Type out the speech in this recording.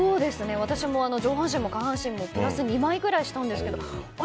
私は上半身も下半身もプラス２枚ぐらいしたんですがあれ？